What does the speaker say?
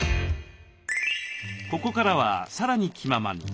ここからはさらに気ままに。